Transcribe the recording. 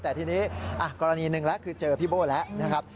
แต่ทีนี้กรณีหนึ่งแล้วคือเจอพี่โบ้แล้วนะครับ